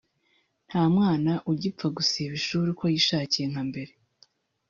“Nta mwana ugipfa gusiba ishuri uko yishakiye nka mbere